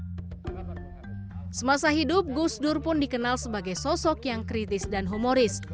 dalam masa hidup gusdur pun dikenal sebagai sosok yang kritis dan humoris